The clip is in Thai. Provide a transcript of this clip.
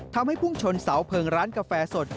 ทำให้พุ่งชนเสาเพิ่งร้านกาแฟสด